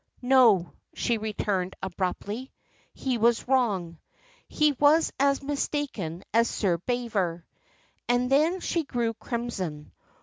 "No," she returned, abruptly; "he was wrong. He was as mistaken as Sir Bever." And then she grew crimson.